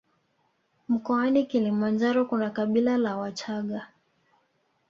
Mkoani Kilimanjaro kuna kabila la wachaga